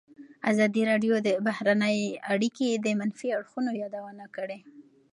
ازادي راډیو د بهرنۍ اړیکې د منفي اړخونو یادونه کړې.